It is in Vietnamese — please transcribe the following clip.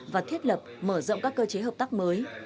và thiết lập mở rộng các cơ chế hợp tác mới